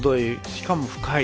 しかも深い。